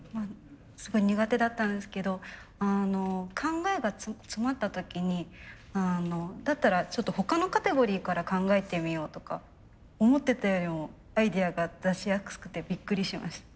すごい苦手だったんですけど考えが詰まった時にだったらちょっと他のカテゴリーから考えてみようとか思ってたよりもアイデアが出しやすくてびっくりしました。